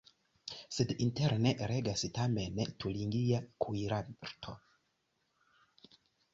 Sed interne regas tamen turingia kuirarto.